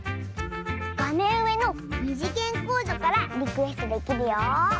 がめんうえのにじげんコードからリクエストできるよ！